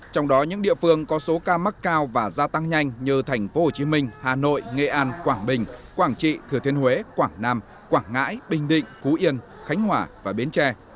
trong đó những địa phương có số ca mắc cao và gia tăng nhanh như thành phố hồ chí minh hà nội nghệ an quảng bình quảng trị thừa thiên huế quảng nam quảng ngãi bình định phú yên khánh hỏa và bến tre